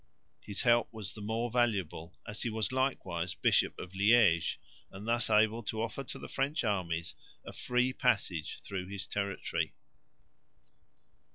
His help was the more valuable, as he was likewise Bishop of Liège, and thus able to offer to the French armies a free passage through his territory.